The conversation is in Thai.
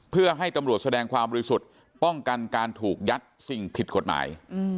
เพื่อให้ตำรวจแสดงความบริสุทธิ์ป้องกันการถูกยัดสิ่งผิดกฎหมาย